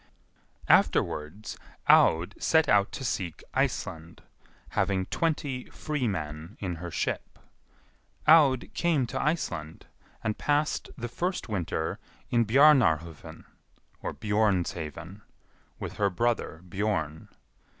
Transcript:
Afterwards Aud set out to seek Iceland, having twenty free men in her ship. Aud came to Iceland, and passed the first winter in Bjarnarhofn (Bjornshaven) with her brother Bjorn.